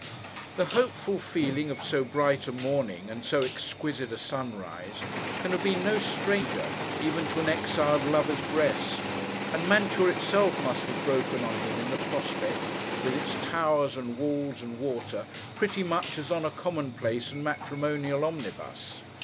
The hopeful feeling of so bright a morning, and so exquisite a sunrise, can have been no stranger, even to an exiled lover's breast; and Mantua itself must have broken on him in the prospect, with its towers, and walls, and water, pretty much as on a commonplace and matrimonial omnibus.